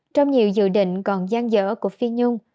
trong nhiều dự định còn gian dở của phi nhung